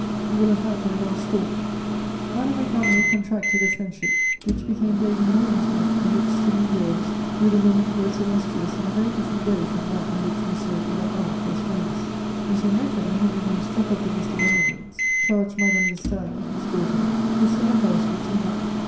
You will have had my last thought!'... "Madame Récamier contracted a friendship, which became daily more intimate and which still endures, with a woman who was illustrious in a very different way from that in which M. de La Harpe was famous. "M. Necker, having been struck off the list of Emigrants, charged Madame de Staël, his daughter, to sell a house which he had.